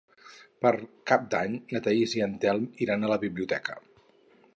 Per Cap d'Any na Thaís i en Telm iran a la biblioteca.